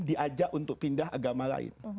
diajak untuk pindah agama lain